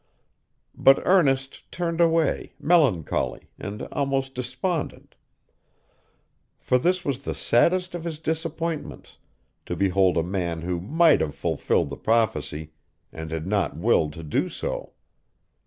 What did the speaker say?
But Ernest turned away, melancholy, and almost despondent: for this was the saddest of his disappointments, to behold a man who might have fulfilled the prophecy, and had not willed to do so.